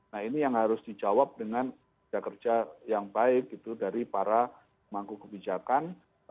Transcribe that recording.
nah ini yang harus dijawab dengan kerja kerja yang baik gitu dari para mangku kebijakan